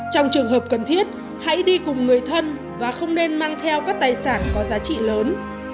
trong trường hợp cần thiết hãy đi cùng người thân và không nên mang theo các tài sản có giá trị lớn